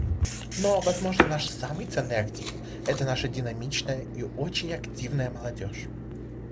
Но, возможно, наш самый ценный актив — это наша динамичная и очень активная молодежь.